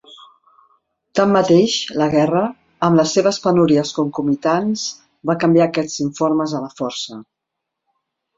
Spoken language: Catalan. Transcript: Tanmateix, la guerra, amb les seves penúries concomitants, va canviar aquests informes a la força.